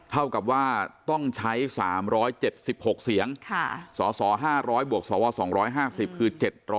เท่ากับว่าต้องใช้๓๗๖เสียงสส๕๐๐บวกสว๒๕๐คือ๗๐๐